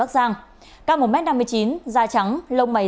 xin chào và hẹn gặp lại